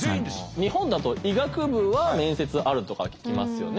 日本だと医学部は面接あるとかは聞きますよね。